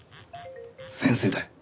先生だよ。